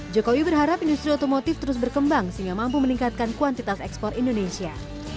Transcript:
jokowi berharap industri otomotif terus berkembang sehingga mampu meningkatkan kuantitas ekspor indonesia